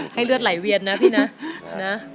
ให้เลือดไหลเวียนนะพี่นะ